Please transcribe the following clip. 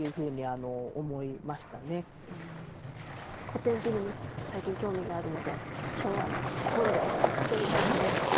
古典というのに最近興味があるので今日は心で読みたいと思います。